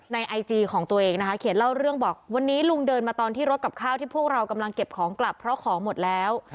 ไอจีของตัวเองนะคะเขียนเล่าเรื่องบอกวันนี้ลุงเดินมาตอนที่รถกับข้าวที่พวกเรากำลังเก็บของกลับเพราะของหมดแล้ว